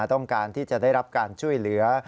ต้องการที่จะได้รับการช่วยเหลือ